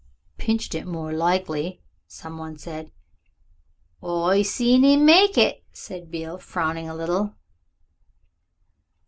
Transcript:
"Pinched it more likely," some one said. "I see 'im make it," said Beale, frowning a little.